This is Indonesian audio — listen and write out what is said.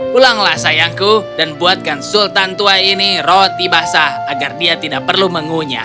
pulanglah sayangku dan buatkan sultan tua ini roti basah agar dia tidak perlu mengunyah